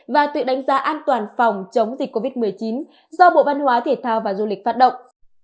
và tự đánh giá an toàn phòng chống dịch covid một mươi chín do bộ văn hóa thể thao và du lịch phát động